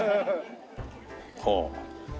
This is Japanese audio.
ほう。